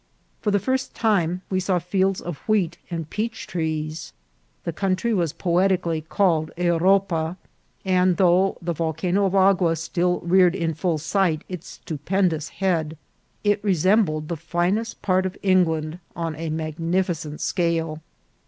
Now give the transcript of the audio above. For the first time we saw fields of wheat and peach trees. The country was poetically called Euro pa ; and though the Volcano de Agua still reared in full sight its stupendous head, it resembled the finest part of England on a magnificent scale.